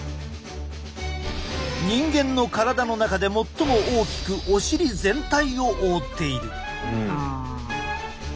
人間の体の中で最も大きくお尻全体を覆っている。